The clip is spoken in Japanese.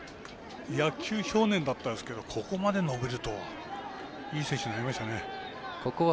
野球少年でしたがここまで伸びるとはいい選手になりましたね。